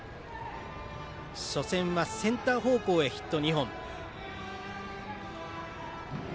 初戦はセンター方向へヒット２本。